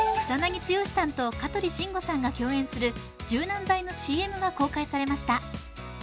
草なぎ剛さんと香取慎吾さんが共演する柔軟剤のＣＭが公開されました。